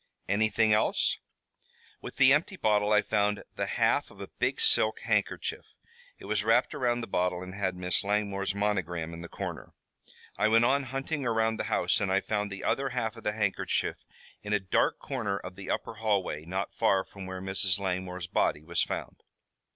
"Anything else?" "With the empty bottle I found the half of a big silk handkerchief. It was wrapped around the bottle and had Miss Langmore's monogram in the corner. I went on hunting around the house and I found the other half of the handkerchief in a dark corner of the upper hallway, not far from where Mrs. Langmore's body was found."